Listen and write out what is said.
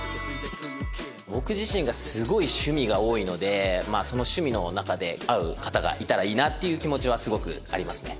僕自身がすごい趣味が多いのでまあその趣味の中で合う方がいたらいいなっていう気持ちはすごくありますね。